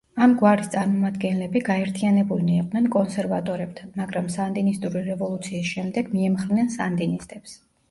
ამ გვარის წარმომადგენლები გაერთიანებულნი იყვნენ კონსერვატორებთან, მაგრამ სანდინისტური რევოლუციის შემდეგ მიემხრნენ სანდინისტებს.